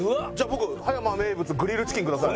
僕葉山名物グリルチキンください。